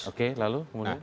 oke lalu kemudian